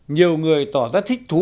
nhiều người tỏ ra thích thú